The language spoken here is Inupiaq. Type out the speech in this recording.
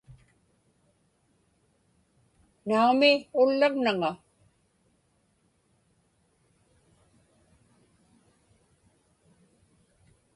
Naumi, ullaŋnaŋa.